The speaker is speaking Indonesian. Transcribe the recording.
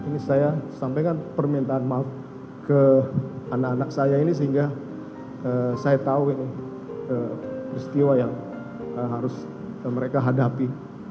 ini saya sampaikan permintaan maaf ke anak anak saya ini sehingga saya tahu ini peristiwa yang harus mereka hadapi